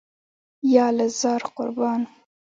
یاله زار، قربان.